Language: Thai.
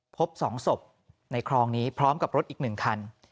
พบสองศพในคลองนี้พร้อมกับรถอีกหนึ่งคัน